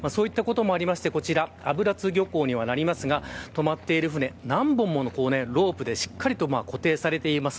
そういったこともありましてこちら油津漁港には止まっている船、何本ものロープでしっかりと固定されています。